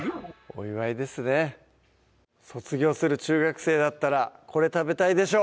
お祝いですね卒業する中学生だったらこれ食べたいでしょう！